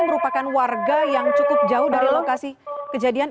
merupakan warga yang cukup jauh dari lokasi kejadian